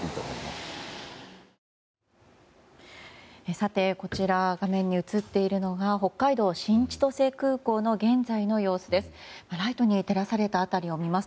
さて、こちら画面に映っているのは北海道新千歳空港の現在の様子です。